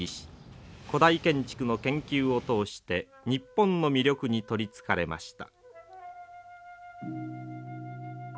古代建築の研究を通して日本の魅力に取りつかれました。